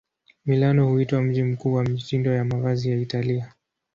Milano huitwa mji mkuu wa mitindo ya mavazi ya Italia.